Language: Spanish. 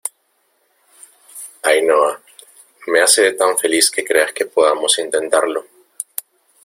Ainhoa, me hace tan feliz que creas que podemos intentarlo.